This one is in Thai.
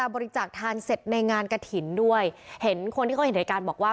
บริจาคทานเสร็จในงานกระถิ่นด้วยเห็นคนที่เขาเห็นเหตุการณ์บอกว่า